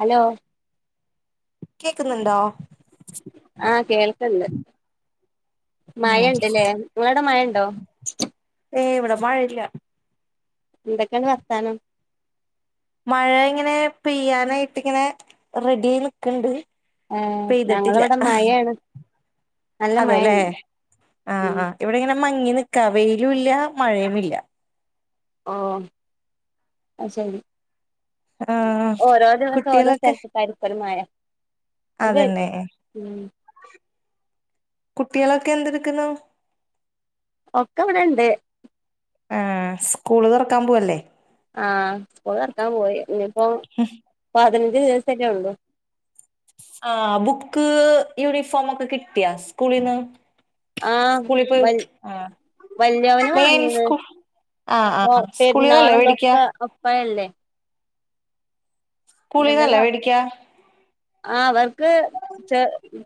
Hello കേക്കുന്നുണ്ടോ ആഹ് ഉം മഴണ്ടല്ലേ നിങ്ങളുടെ മഴണ്ടോ ഏ ഇവിടെ മഴയില്ല എന്തൊക്കെയുണ്ട് വർത്താനം മഴ ഇങ്ങനെ പെയ്യാനായിട്ട്ങ്ങനെ റെഡി ആയി നിക്കണ്ട് ഏ പെയ്തിട്ടില്ല ഞങ്ങളവിടെ മഴയാണ് നല്ല അതെല്ലേ മഴണ്ട് ആഹ് ഉം ആ ഇവിടെ ഇങ്ങനെ മങ്ങി നിക്കാ വെയിലും ഇല്ല മഴയും ഇല്ല ഓ അത് ശരി ആഹ് ഓരോ ദിവസം ഓരോ കുട്ടികളൊക്കെ സ്ഥലത്തക്കാര്ക്കരു മഴ അത് വഴി അതന്നെ ഉം കുട്ടികളൊക്കെ എന്തെടുക്കുന്നു ഒക്കെ ഇവിടെണ്ട് ആ സ്കൂള് തുറക്കാൻ പോവല്ലേ ആഹ്സ്കൂൾ ഇറക്കാൻ പോയി ഇനിപ്പോപതിനഞ്ച് ദിവസല്ലേ ഉള്ളു ആ ബുക്ക് യൂണിഫോം ഒക്കെ കിട്ടിയ സ്കൂളിൽന്ന് ആഹ് വല് വല്യയ അവന് ആഹ് വാങ്ങിയന്ന് സ്കൂ ആഹ് ആഹ് സ്കൂളിന്നല്ലേ പെരുന്നാളുംന്തൊക്ക മേടിക്കാ ഒപ്പായല്ലേ നല്ലതാ സ്കൂളിന്നല്ലേ മേടിക്കാ ആ അവർക്ക് ചെ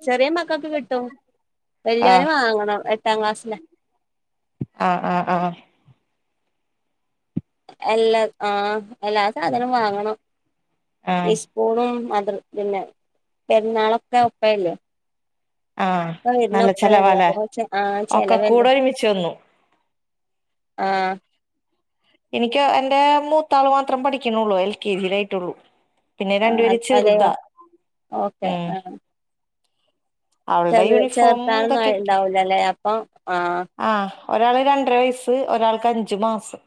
ചെറിയ മക്കൾക്ക് കിട്ടും ആഹ് വല്യനും വാങ്ങണം എട്ടാം ക്ലാസ്സില ആഹ് ആഹ് ആഹ് എല്ലാ ആഹ് എല്ലാ സാധനവും വാങ്ങണം ആഹ് പൂണും അതി പിന്നെ പെരുന്നാളൊക്കെ ഉപ്പല്ലേ ആഹ് ആ നല്ല ഇരുന്നപ്പഴ ചെലവാല്ലേ ആഹ് ഒക്കെ കൂടെ ചെലവല്ലേ ഒരുമിച്ച് വന്നു ആഹ് എനിക്ക് എന്റെ മൂത്താള് മാത്രം പഠിക്കണുള്ളൂ എൽ കെ ജിയുടെ ആയിട്ടുള്ളൂ പിന്നെ ആ രണ്ടുപേര് ചെറുത അതെയോ ഓക്കെ ഉം ച അവളുടെ യൂണിഫോം ചേർത്താനൊന്നും ഇതൊക്കെ കിട്ടി ആയിണ്ടാവൂലല്ലേ അപ്പൊ ആഹ് ആഹ് ഒരാള് രണ്ടര വയസ്സ് ഒരാൾക്ക് അഞ്ച് മാസം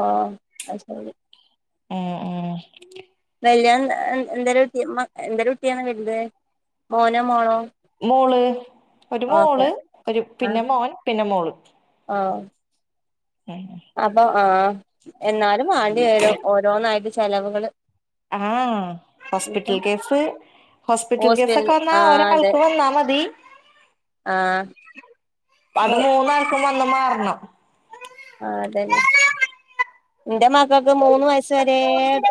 ആഹ് [unintelligible] എഹ് വല്യന് [unintelligible] മോനോ മോളോ മോള് ഒരു ഓക്കെ മോള് ഒരു പിന്നെ മോൻ പിന്നെ മോള് ആഹ് അപ്പൊ ആഹ് എന്നാലും വാണ്ടി വരും ഓരോന്നായിട്ട് ചെലവുകള് ആഹ് ഇപ്പം ഹാസ്പിറ്റൽ കേസ് ഹോസ്പിറ്റൽ കേസൊക്കെ വന്നാ ആ ഒരെ അതെ കാൽക്ക് വന്നാ മതി ആ അത് മോ മൂന്നാൾക്കും വന്ന് മാറണം ആഹ് അതന്നെ ഇന്റെ മക്കൾക്ക് മൂന്ന് വയ ച്ചരേ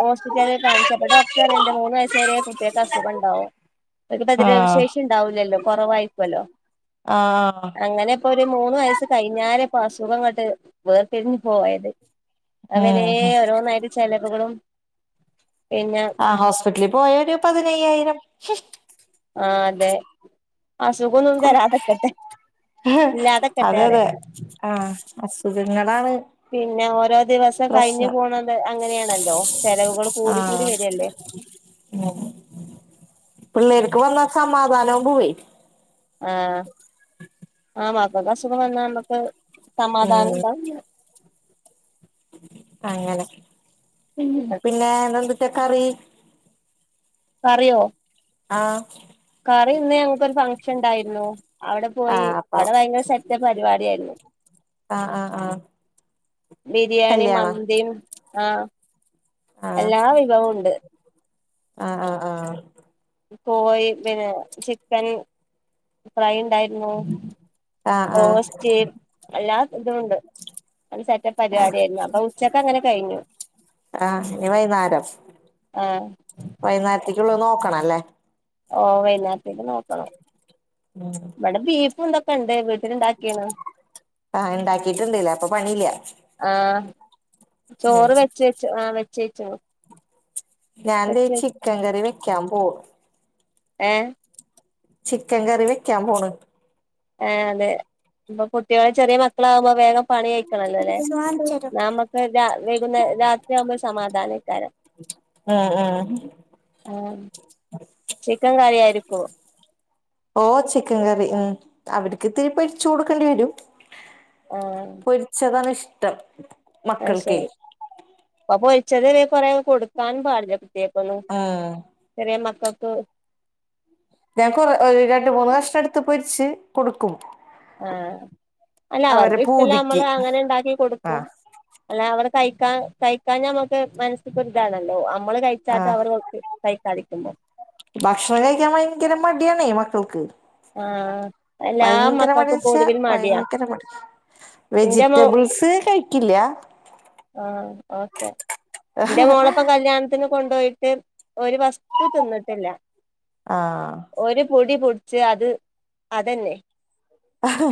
ഹോസ്പിറ്റല കാണിച്ചപ്പ ഡോക്ടർ എറെ മൂന്ന് വയസ് വരെ കുട്ടികൾക്ക് അസുഖംണ്ടാവും ഒരു പ്രതിരോധ ആഹ് ശേഷി ഉണ്ടാവൂലല്ലോ കൊറവായിരിക്കല്ലോ ആഹ് ഇപ്പൊ ഒര് മൂന്ന് വയസ്സ് കഴിഞ്ഞരെ ഇപ്പൊ അസുഖംങ്ങോട്ട് വേർത്തിരിഞ്ഞഞ് പോയത് അവരെ ഉം ഓരോന്നായിട്ട ചെലവുകളും പിന്നെ ആഹ് ഹോസ്പിറ്റലിൽ പോയ ഒരു പതിനയ്യായിരം ആഹ് അതെ അസുഖൊന്നും കൊടു തരാ അതൊക്കട്ടെ ഇല്ലതെക്കട്ടെ അതെ അറെ അതെ ആഹ് അസുഖങ്ങളാണ് പിന്നെ ഓരോ ദിവസം കഴിഞ്ഞു പ്രശ്നം പോണം അങ്ങനെയാണല്ലോ ചെലവുകൾ കൂടി കൂടി ആഹ് വരല്ലേ പിള്ളേർക്ക് വന്ന സമാധാനവും പോയി ആഹ് ആഹ് മാക്കൾക്ക് അസുഖം വന്നാ നമുക്ക് സമാധാനം ഉം ഉണ്ടാ അങ്ങനെ ഇന്നില്ല പിന്നെ ഇന്നെന്തു ട്ട കറി കറിയോ? ആഹ് കറി ഇന്ന് ഞങ്ങക്ക് ഒരു ഫംഗ്ഷൻ ഇണ്ടായിരുന്നു അവിടെ പോയി ആഹ് അപ്പൊ അവിടെ ഭയങ്കര സെറ്റ് പരിപാടിയയിര്ന്നു ആഹ് ആഹ് ആഹ് ബിരിയാണി കല്യാണ മന്തിയും ആഹ് ആഹ് എല്ലാ വിഭവവും ഇണ്ട് ആഹ് ആഹ് ആഹ് കോഴി പിന്നെ ചിക്കൻ ഫ്രൈ ഇണ്ടായിരുന്നു ആഹ് ആഹ് ബ്രോസ്റ്റ് എല്ലാ ഇതുണ്ട് അത് സെറ്റപ്പ് പരിപാടിയായിരുന്നു അപ്പ ഉച്ചക്ക് അങ്ങനെ കഴിഞ്ഞു ആഹ് ഇനി വൈകുന്നേരം ആഹ് വൈകുന്നേരത്തേക്കുള്ള നോക്കണല്ലേ ഓ വൈകുന്നേരത്തെക്ക് നോക്കണം ഉം ഇവിടെ ബീഫ് ഇതൊക്കെ ഇണ്ട് ഉണ്ടാക്കിന്ന് ആഹ് ഇണ്ടാക്കിട്ടുണ്ടല്ലേ അപ്പൊ പണിയില്ല ആഹ് ഉം ചോറ് വെച്ച് വെച്ചു ആഹ് വെച്ചേച്ചു ഞാൻ ദേ ചിക്കൻ കറി വെക്കാൻ പോ എഹ് ചിക്കൻ കറി വെക്കാൻ പോണ് എഹ് അതെ ഇപ്പൊ കുട്ടികള് ചെറിയ മക്കളാവുമ്പോ വേഗം പണി കയ ിക്കണല്ലോല്ലേ ന്നാ നമക്ക് രാ വൈകുന്ന രാത്രിയാവുമ്പോ സമാധാനെക്കാരം അ ആഹ് ആഹ് ചിക്കൻ കറി ആയിരിക്കോ ഓഹ് ചിക്കൻ കറി ഉം അവര്ക്കിത്തിരി പൊരിച്ചു കൊടുക്കേണ്ടി വരും ഓ പൊരിച്ചതാണ് ഇഷ്ടം അഹ് മക്കൾക്കെ ശരി അഹ് പൊരിച്ചത് കൊറെ കൊടുക്കാനും പാടില്ല ഇതേപോലെ ഉം ചെറിയ മക്കൾക്ക്. ഞാൻ കൊറെ രണ്ട് മൂന്ന് കഷ്ണം ഇട്ത്ത് പൊരിച്ച് കൊടുക്കും. ആഹ് അല്ല അവരെ അവർക്ക് ഇഷ്ടല്ല പൂതിക്ക് നമ്മള് അങ്ങനെ ഇണ്ടാക്കി കൊടുക്കും. ആഹ് അല്ല അവർ കഴിക്കാ കഴിക്കാഞാ നമ്മക്ക് മന ഇപ്പൊര് താണല്ലോ അമ്മള് കഴിച്ചാട്ട ആഹ് അവർ കഴിക്കാതിക്കുമ്പം. ഭക്ഷണം കഴിക്കാൻ ഭയങ്കര മടിയാണേ മക്കൾക്ക്. ആഹ് എല്ലാ ഭയങ്കര മക്കൾക്കും മടിയന്ന് വച്ച പൊതുവിൽ മടിയാ ഭയങ്കര മടി. എന്റെ മോ വെജിറ്റബിൾസ് കഴിക്കില്ല. ആഹ് ഓക്കെ എന്റെ മോളൊപ്പെ കല്യാൺ. ത്തിന് കൊണ്ടോയിട്ട് ഒരു വസ്തു തിന്ന്ട്ടില്ല. ആഹ് ഒരു പുടി പുട്ച്ച് അത് അതന്നെ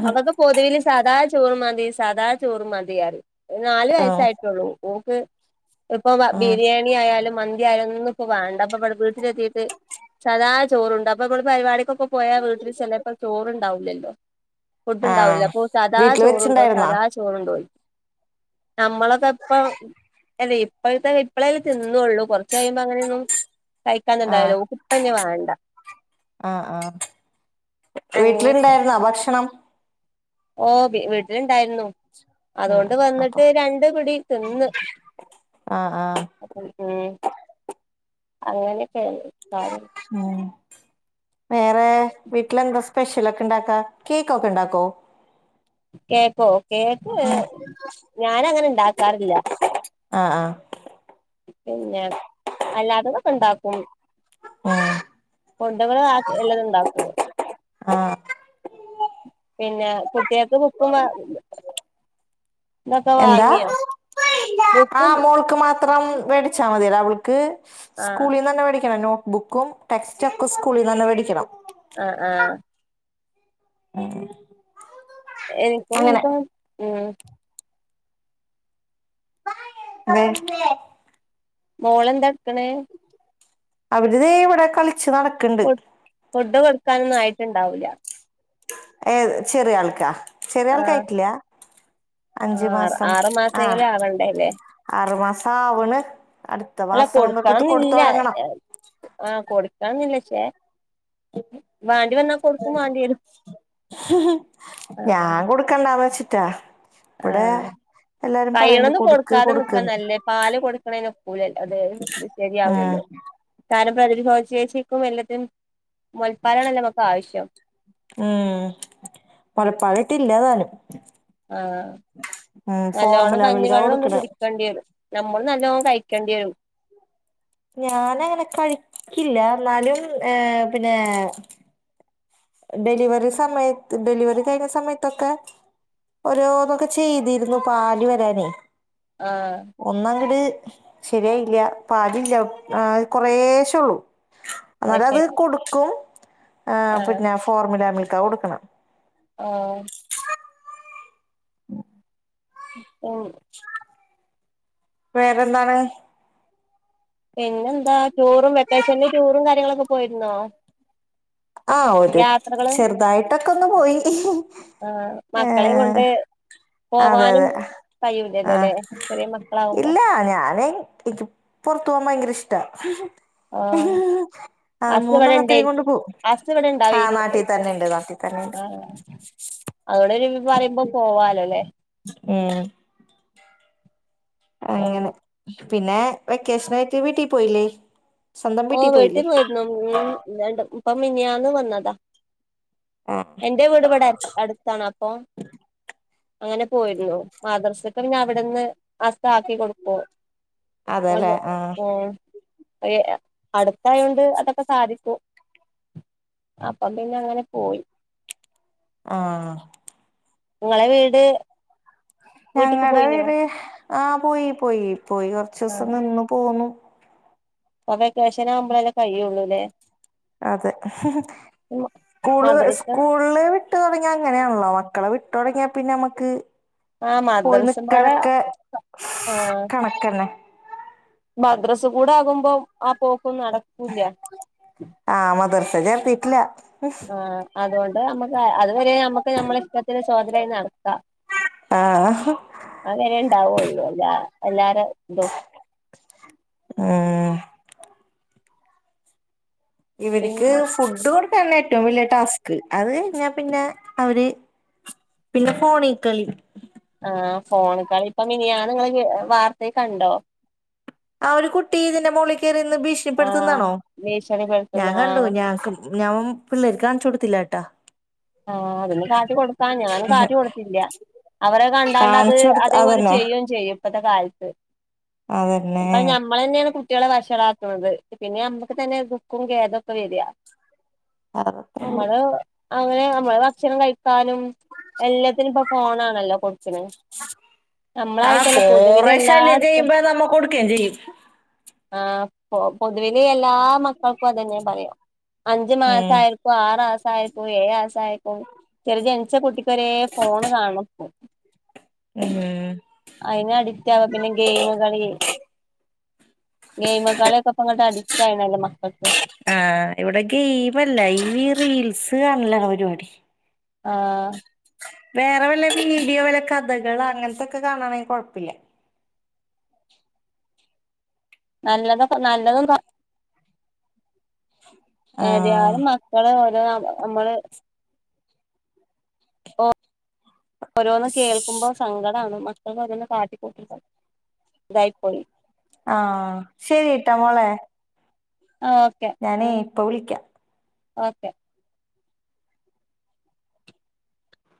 അ പൊതീല് സാദാ ചോറ് മതി. സാദാ ചോറും മതിയറിം നാല് ആഹ് വയസ്സായിട്ടൊള്ളു. ഓക്ക് ഇപ്പൊ ആഹ് ബിരിയാണി ആയാലും മന്തി ആയാലൊന്നും വേണ്ട അപ്പ ഇടെ വീട്ടിലെത്തീട്ട് സാധാ ചോറ്ണ്ട്. അപ്പൊ നമ്മള് പരിപടിക്കൊക്ക പോയാ വീട്ടില് ചെലപ്പം ചോറ് ഇണ്ടാവു ലല്ലോ. ഫുഡ് ഉണ്ടാവൂല. ആഹ് അപ്പൊ സദാ വീട്ടില് ചോറുണ്ടോ വെച്ചിണ്ടായിരുന്നാ സദാ ചോറുണ്ടോയ്ക്കും. നമ്മളൊക്കെ ഇപ്പം. അല്ലെ ഇപ്പഴ്ത്തെ ഇപ്പളെല്ലെ തിന്നൊള്ളു കൊറ്ച്ച് കഴുമ്പ ങ്ങനെയൊന്നും. ആഹ് കഴിക്കാന്നുണ്ടായാലോ ഓക്ക് ഇപ്പ ന്നെ വാണ്ട. ആഹ് ആഹ് അങ്ങനെയൊക്കെ വീട്ടിലുണ്ടായിരുന്നോ ഭക്ഷണം. ഏഹ് വീട്ടിലുണ്ടായിര്ന്നു. ഉം അതുകൊണ്ട് അപ്പൊ വന്നിട്ട് രണ്ട് പിടി തിന്നു. ആഹ് ആഹ് ഉം അങ്ങനെ ഒക്കെ കാര്യം ഉം വേറെ വീട്ടിലെന്താ സ്പെഷ്യലൊക്കെ ഇണ്ടാക്കാ. കേക്കൊക്കെ ഇണ്ടാക്കോ. കേക്കോ കേക്ക് ഞാന് അങ്ങനെ ഇണ്ടാക്കാറില്ല. ആഹ് ആഹ് പിന്നെ അല്ലാത്തതൊക്കെ ഇണ്ടാക്കും. ഉം ഫുഡുകൾ ആക്കി വല്ലതും ഉണ്ടാക്കും. ആഹ് പിന്നെ കുട്ട്യേക്ക് ബുക്കും- ഇതൊക്കെ എന്താ വാങ്ങിയോ ബുക്കും ആഹ് മോൾക്ക് മാത് ത്രം വേടിച്ചാൽ മതിയടാ അവൾക്ക് ആഹ് സ്കൂളിന്നന്നെ മേടിക്കണം നോട്ട്ബുക്കും ടെക്സ്റ്റ് ഒക്കെ സ്കൂളിന്നെന്നെ വേടിക്ക ണം. അഹ് ആഹ്. ഏഹ്. എനിപ്പോമി. [unintelligible] ഉം [unintelligible] മോളെന്താ ഇട്ക്ക്ണ്. അവരിതേയ്. ഇവടെ കളിച്ച് നട. ഫു ഫുഡ് കൊടുക്കാനൊന്നും ആയിറ്റ്ണ്ടാവൂല്ല ഏ ചെറിയ ആൾക്കാ ചെറിയ ആൾക്ക ആഹ് ആയിട്ടില്ല. അഞ്ച് ആഹ് മാസം ആറു ആഹ്. മാസെങ്കിലും ആവണ്ടേല്ലേ ആറുമാസ ആവ്ണ്. അടുത്ത അല്ല മാസആവുമ്പൊത്തും. കൊട്ത്ത് കൊടുക്കണംന്നില്ല തൊടങ്ങണം. ആഹ് കൊടുക്കാന്നില്ലക്ഷേ. വാണ്ടി വന്നാ കൊടുക്കും വാണ്ട്യേരു.. ഹ്ഹ് ഞാൻ കൊടുക്കണ്ട വച്ചിട്ടാ ആഹ് കൈണൊതും കൊടുക്ക് കൊടുക്കാതെ കൊടുക്ക്ന്ന് നിക്കാനല്ലേ പാല് കൊടുക്കണേ നൊക്കൂലല്ലോ അതെ ആഹ് കാരണം പ്രതിരോച്ചേചികും വല്ലത് മുൽപ്പാലണല്ലോ മക്ക് ആവശ്യം മ്ഹ് മൊലപ്പാലറ്റ് ഇല്ലാതാനും ആഹ് നല്ലോണം ഫോർമുല മിൽക്കാ കഞ്ഞിവെള്ളം ഒന്ന് കൊടുക്കണെ കുടി കേണ്ടിത് നമ്മള് നല്ലോം കഴിക്കേണ്ടിം ഞാനങ്ങനെ കഴിക്കില്ല ന്നാലും ഏയേ പിന്നേം ഡലിവറി സമയത് ഡലിവറി കഴിഞ്ഞ സമയതൊക്കെ ഓരോന്നൊക്കെ ചെയ്തിര്ന്നു പാല് വരാനേ ആഹ് ഒന്നങ്കട് ശരിയായില്ല്യ പാൽ ല്ല്യ ആഹ് കൊറെശള്ളൂ അത് എന്നാലത് ശരി കൊടുക്കും ആഹ് പിന്നെ ഫോർമുല മിൽക്കാ കൊടുക്ണെ ആഹ് ഓളുണ്ട് വേറെന്താണ് പിന്നെന്താ ടൂറും വെക്കേഷല് ടൂറും കാര്യങ്ങളൊക്കെ പോയിര് ന്നോ ആഹ് ഒരു ചെറുതായിട്ടൊക്കെ ഒന്ന് പോയി ആഹ് മക്കളിം ഏഹ് കൊണ്ട് അതെ പോവാനും അതെ കഴിയൂലല്ലോ ല്ലേ ആഹ് ചെറിയ മക്കളാവുമ്പോ ഇല്ല ഞാന് ഇക് പൊർത്തു പോവാൻ ഭയങ്കര ഇഷ്ടാ ആഹാ ആഹ് അസ്സ് ബടണ്ട് മൂന്നെണ്ണത്തിനേം കൊണ്ട് പോവും അസ്സ്ഇവിടെണ്ട ആഹ് അവിയിക് നാട്ടി ഇക്കും തന്നെണ്ട് നാട്ടി തന്നെണ്ട് ആഹ് ആഹ് അതോണ്ടൊരു പറയുമ്പോ പോവാലോല്ലേ ഉം ഓ അങ്ങനെ പിന്നെ വെക്കേഷന് ആയിട്ട് വീട്ടിൽ പോയില്ലേ സ്വന്തം ഓ വീട്ടി പോയില്ലേ വീട്ടിൽ പോയിരുന്നു മ്മ്ഹ് രണ്ട് ഇപ്പം മിനിഞാന്ന് വന്നതാ ആ എന്റെ വീട് ഇവിടെത് അടുത്താണ് അപ്പോം അങ്ങനെ പോയിര്ന്നു മാദർസ്ക് പിന്ന അവിടെന്ന് അസ് ആക്കി കൊടുകു വ അതെല്ലേ ആ അടുത്തായോണ്ട് അതൊക്കെ സാധിക്കു അപ്പ പിന്നെ അങ്ങനെ പോയി ആഹ് നിങ്ങളെ വീട് വീട്ട്ക്ക് ഞങ്ങടെ പോയിനോ വീട് ആഹ് പോയി പോയി പോയി ആ കൊറച്ചുസം നിന്ന് പോന്നു പ്പൊ വെക്കേഷനവുമ്പോളല്ലേ കയ്യോള്ളൂലേ അതെ ഹ്ഹ് മദ്രസ കൂള്സ്കൂൾ വ്ള്ള് വിട്ടുടങ്ങിയങ്ങനെയെണ്ല്ലോ. മക്കളെ വിട്ടുടങ്ങിയ പിന്നെമ്മക് ആ പോയി മദ്രസമ്പാടെ നിക്കലൊക്കെ കണക്കന്നെ മദ്രസ് കൂടെ ആകുമ്പോ ആഹ് പോക്കും ന്നടകുല്യ ആഹ് മദർസ് ചേർത്തിട്ടില്ല ആഹ് അതുകൊണ്ട് നമ്മക്ക് അതുവരെ അമ്മക്ക് നമ്മള ഇഷ്ട്ടത്തിന് സ്വാദ്രായി നടക്കാ ആഹ് അങ്ങനെ ഇണ്ടാവുള്ളൂ അല്ലാ എല്ലാരെ ഇതും ഉം ഇവരിക്ക് പിന്നെ ഫുഡ് കൊടുക്കാണേറ്റോം വല്ല്യ ട്ടാസ്ക് അത് [unintelligible] ഞ്ഞാ പിന്ന അവര് പിന്ന ഫോണീക്കളി ആഹ് ഫോണീക്കളി ഇപ്പം മിനിയാന്നിങ്ങള് വാർത്തയിക്കണ്ടോ ആ ഒരു കുട്ടി ഇതിന്റെ മോളീക്കേറിന്ന് ആഹ് ഭീഷണിപ്പെടുത്തുന്നാണോ ഭീഷണിപ്പെടുത്തുന്ന ഞാൻ കണ്ടു ആഹ് ഞാക്ക് ഞാൻ പിള്ളേർക്കാണിച്ചൊടുത്തില്ലാട്ടാ ആഹ് അതൊന്നും കാട്ടി കൊടുക്കാൻ ഞാനും കാട്ടി കൊടുത്തില്ല അവര കണ്ടാണ്ടത് കാണിച്ചു കൊടുത്ത് അതേപോലെ അതന്നെ ചെയ്യോം ചെയ്യും ഇപ്പത്ത കാലത്ത് അതന്നെ ഇപ്പഞ്ഞം മ്മളന്നേണ് കുട്ടികളെ വഷളാക്ണത് പിന്നെ യമ്മക്ക് തന്നെ ദുഃഖും ഖേദൊക്കെ വെരാ. നമ്മള് അങ്ങനെ നമ്മള് ഭക്ഷണം കഴിക്കാനും എല്ലത്തിനും ഇപ്പൊ ഫോണാണല്ലോ കൊടുക്ണെ ആ നമ്മളായിട്ടല്ല കൊറേ പൊതുവിലെല്ലാ ശല്യം ട്ത്തും ചെയ്യുമ്പോ നമ്മ കൊടുക്കുകയും ചെയ്യും ആഹ് പൊ പൊതുവില് യെല്ലാ മക്കൾക്കും അതെന്നെ പറ്യാ അഞ്ച് ഉം മാസാ യോൽക്കും ആറാസായോൽക്കും ഏഴാസാ യോൽക്കും ചെറിയ ജനിച്ച കുട്ടി ക്ക് വരേ ഫോണ് കാണണം ഇപ്പം ഉം അയിന് അടിക്റ്റാവാ. പിന്നെ ഗെയിമ് കളിയേ ഗെയിമ് കളിയൊക്കപ്പങ്ങട്ട് അടിക്റ്റായിണല്ലൊ മക്കക്ക് ആഹ്. ഇവടെ ഗെയിം അല്ല ഈ റീൽസ് കാണലാണ് പരിപാടി. ആഹ് വേറെ വല്ല വീഡിയോ വല്ല കഥകളാ അങ്ങൻത്തൊക്ക കാണാണെ കൊഴപ്പില്ല. നല്ലതൊക്ക നല്ലതൊന്നും കാ ആഹ് ഏതിയാലും മ ക്കള് ഓരോ ന്ന് നമ്മള് ഓരോന്ന് കേൾക്കുമ്പോ സങ്കടാണ് മക്കൾ ഓരോന്ന് കാട്ടിക്കൂട്ടുമ്പം ഇതായിപ്പോയി ആഹ് ശരീട്ടാ മോളെ. ആഹ് ഒ ഞാനേ ഇപ്പ വിളിക്ക്യാ ഓക്കെ